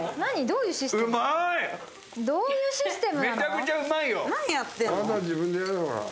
どういうシステム？